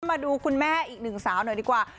มาดูคุณแม่อีกหนึ่งสาวหน่อยดีกว่า